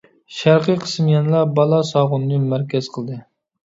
شەرقىي قىسىم يەنىلا بالاساغۇننى مەركەز قىلدى.